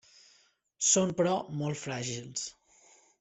Són però, molt fràgils.